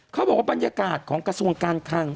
เขาบอกว่าบรรยากาศของกระทรวงการคัง